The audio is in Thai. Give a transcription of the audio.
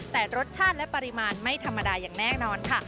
แต่รสชาติและปริมาณไม่ธรรมดาอย่างแน่นอนค่ะ